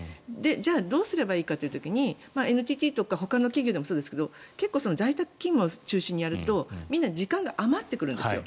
じゃあ、どうすればいいかという時にＮＴＴとかほかの企業もそうですが結構、在宅勤務を中心にやるとみんな時間が余ってくるんですよ。